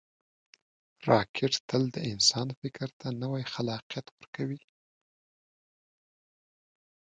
راکټ تل د انسان فکر ته نوی خلاقیت ورکوي